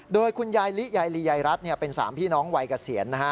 โดยคุณยายลิยายลียายรัฐเป็น๓พี่น้องวัยเกษียณ